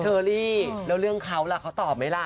เชอรี่แล้วเรื่องเขาล่ะเขาตอบไหมล่ะ